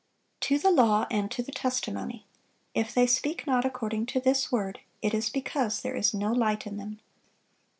] "To the law and to the testimony: if they speak not according to this word, it is because there is no light in them."